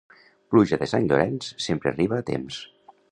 Pluja de Sant Llorenç sempre arriba a temps.